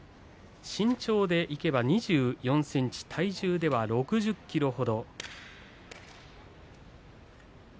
身長でいけば、２４ｃｍ体重では６０ｋｇほど。